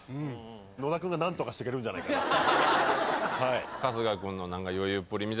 野田君が何とかしてくれるんじゃないかと。